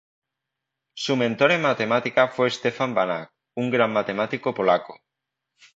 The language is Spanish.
Su mentor en matemática fue Stefan Banach, un gran matemático polaco.